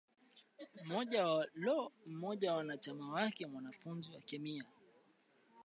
lo mmoja wa wanachama wake mwanafunzi wa kemia